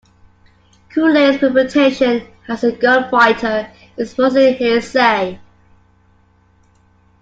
Cooley's reputation as a gunfighter is mostly hearsay.